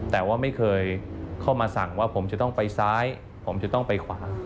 แต่ว่าไม่เคยเข้ามาสั่งว่าผมจะต้องไปซ้ายผมจะต้องไปขวา